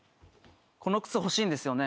この靴欲しいんですよね？